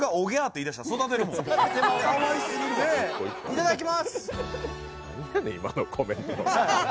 いただきます！